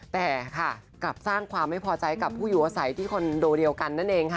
แต่ค่ะกลับสร้างความไม่พอใจกับผู้อยู่อาศัยที่คอนโดเดียวกันนั่นเองค่ะ